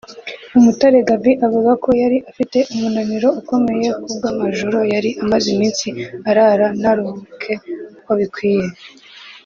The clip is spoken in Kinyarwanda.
Umutare Gaby avuga ko yari afite umunaniro ukomeye ku bw’amajoro yari amaze iminsi arara ntaruhuke uko bikwiye